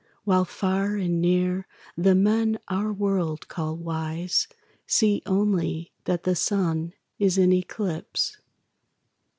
While far and near the men our world call wise See only that the Sun is in eclipse.